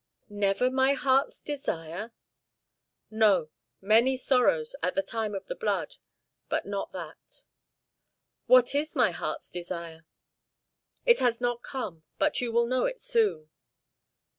"Never my heart's desire?" "No. Many sorrows, at the time of the blood, but not that." "What is my heart's desire?" "It has not come, but you will know it soon."